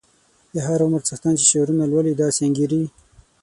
د هر عمر څښتن چې شعرونه لولي داسې انګیري.